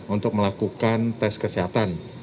untuk melakukan tes kesehatan